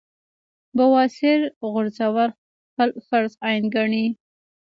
بواسير غورزول خپل فرض عېن ګڼي -